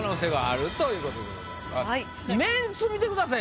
メンツ見てください。